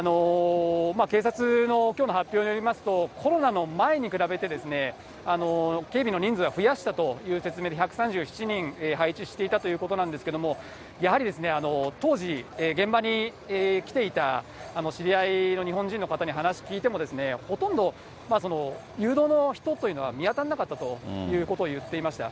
警察のきょうの発表によりますと、コロナの前に比べて、警備の人数は増やしたという説明で、１３７人配置していたということなんですけれども、やはり当時、現場に来ていた知り合いの日本人の方に話聞いても、ほとんど誘導の人というのは見当たらなかったということを言っていました。